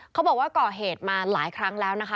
เขาบอกว่าก่อเหตุมาหลายครั้งแล้วนะคะ